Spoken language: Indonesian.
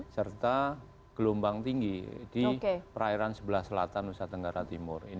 serta gelombang tinggi di perairan sebelah selatan nusa tenggara timur